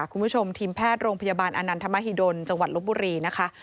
คุณผู้ชมทีมแพทย์โรงพยาบาลอนันทมหิดลจังหวัดลบบุรีนะคะ